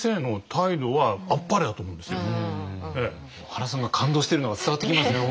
原さんが感動してるのが伝わってきますね